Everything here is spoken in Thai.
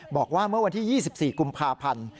บอกว่าเมื่อวันที่๒๔กุมภาพันธ์